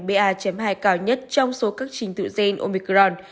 ba hai cao nhất trong số các trình tự gen omicron